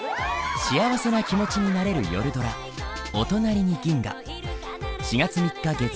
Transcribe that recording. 幸せな気持ちになれる夜ドラ「おとなりに銀河」。